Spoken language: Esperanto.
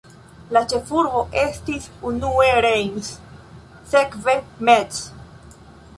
La ĉefurbo estis unue Reims, sekve Metz.